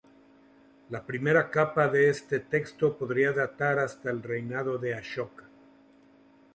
La primera capa de este texto podría datar hasta el reinado de Ashoka.